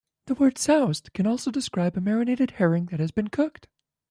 The word 'soused' can also describe a marinated herring that has been cooked.